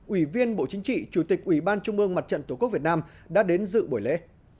ủy viên bộ chính trị chủ tịch ủy ban trung ương mặt trận tổ quốc việt nam đã đến dự buổi lễ